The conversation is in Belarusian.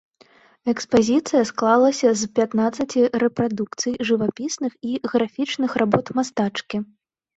Экспазіцыя склалася з пятнаццаці рэпрадукцый жывапісных і графічных работ мастачкі.